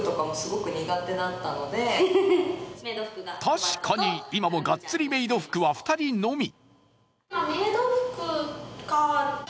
確かに今もがっつりメイド服は２人のみ。